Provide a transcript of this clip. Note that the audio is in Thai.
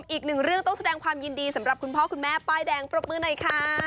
อีกหนึ่งเรื่องต้องแสดงความยินดีสำหรับคุณพ่อคุณแม่ป้ายแดงปรบมือหน่อยค่ะ